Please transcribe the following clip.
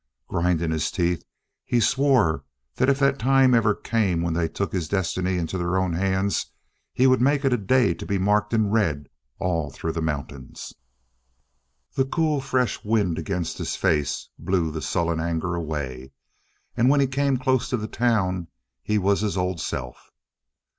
Grinding his teeth, he swore that if that time ever came when they took his destiny into their own hands, he would make it a day to be marked in red all through the mountains! The cool, fresh wind against his face blew the sullen anger away. And when he came close to the town, he was his old self.